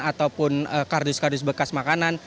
ataupun kardus kardus bekas makanan